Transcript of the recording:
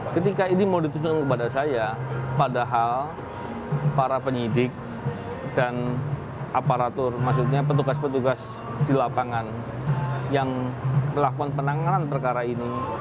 ketika ini mau ditujukan kepada saya padahal para penyidik dan aparatur maksudnya petugas petugas di lapangan yang melakukan penanganan perkara ini